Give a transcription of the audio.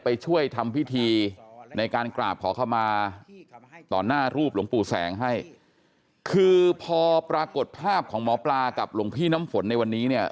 ไปช่วยทำพิธีในการกราบขอเข้ามาต่อหน้ารูปหลวงปู่แสงให้คือพอปรากฏภาพของหมอปลากับหลวงพี่น้ำฝนในวันนี้เนี่ย